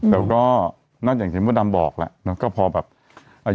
แต่ก็น่าจะอย่างที่พ่อดำบอกแล้วก็พอแบบอายุ